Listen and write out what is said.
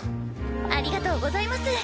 ありがとうございます。